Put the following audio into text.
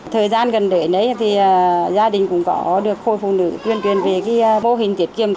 thời gian gần đợi đấy thì gia đình cũng có được khôi phụ nữ tuyên truyền về cái mô hình tiết kiệm